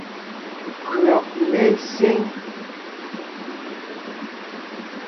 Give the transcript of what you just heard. Nÿɔ́g mé síŋ.